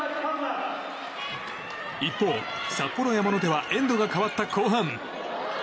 一方、札幌山の手はエンドが変わった後半。